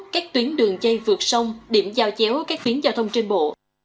các tuyến đường dây vượt sông điểm giao chéo các phiến giao thông trên bộ